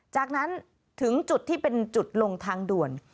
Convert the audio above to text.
จากนั้นถึงจุดที่เป็นจุดลงทางด่วน